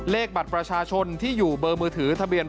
โทษภาพชาวนี้ก็จะได้ราคาใหม่